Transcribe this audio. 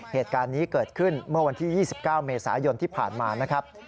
เหตุการณ์นี้เกิดขึ้นเมื่อวันที่๒๙เมษายนที่ผ่านมานะครับ